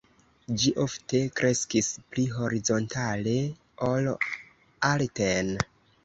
Ĝi ofte kreskis pli horizontale ol alten.